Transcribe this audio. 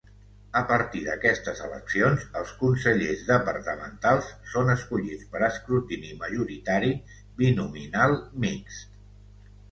A partir d'aquestes eleccions, els consellers departamentals són escollits per escrutini majoritari binominal mixt.